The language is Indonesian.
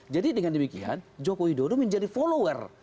jadi dengan demikian jokowi dodo menjadi follower